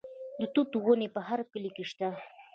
د توت ونې په هر کلي کې شته.